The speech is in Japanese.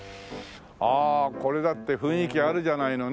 ああこれだって雰囲気あるじゃないの。